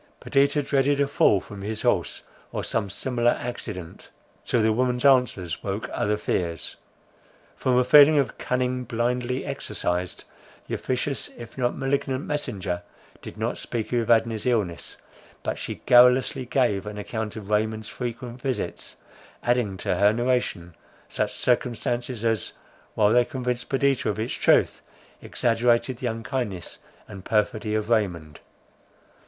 Perdita dreaded a fall from his horse, or some similar accident—till the woman's answers woke other fears. From a feeling of cunning blindly exercised, the officious, if not malignant messenger, did not speak of Evadne's illness; but she garrulously gave an account of Raymond's frequent visits, adding to her narration such circumstances, as, while they convinced Perdita of its truth, exaggerated the unkindness and perfidy of Raymond.